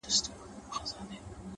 د کتاب د پاڼو رپېدل د باد کوچنی اثر دی,